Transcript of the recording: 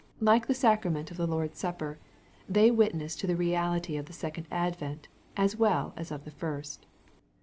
\Like the sacrament of the Lord's supper, they witness to the reality of the second advent, as well as of the first.